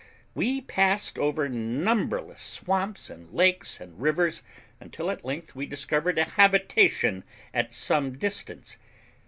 We passed over numberless swamps and lakes and rivers, until at length we discovered a habitation at some distance.